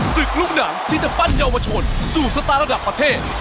ลูกหนังที่จะปั้นเยาวชนสู่สไตล์ระดับประเทศ